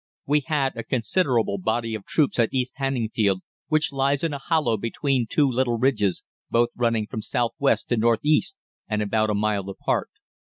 "We had a considerable body of troops at East Hanningfield, which lies in a hollow between two little ridges, both running from south west to north east, and about a mile apart.